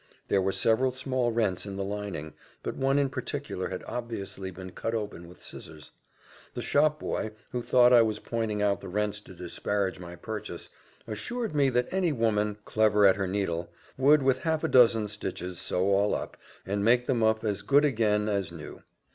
There were several small rents in the lining but one in particular had obviously been cut open with scissars. The shopboy, who thought I was pointing out the rents to disparage my purchase, assured me that any woman, clever at her needle, would with half a dozen stitches sew all up, and make the muff as good again as new.